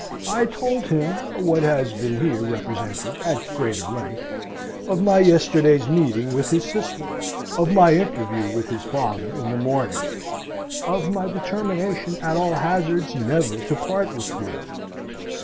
I told him, what has here been represented at greater length, of my yesterday's meeting with his sister; of my interview with his father in the morning; of my determination at all hazards never to part with Theo.